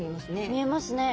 見えますね。